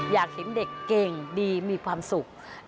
อยากเห็นเด็กเก่งดีมีความสุข